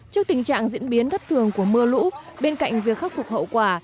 trước tình trạng diễn biến thất thường của mưa lũ bên cạnh việc khắc phục hậu quả